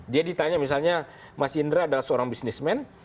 dia ditanya misalnya mas indra adalah seorang businessman